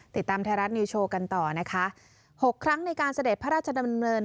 ติดตามไทยรัฐนิวโชว์กันต่อนะคะหกครั้งในการเสด็จพระราชดำเนิน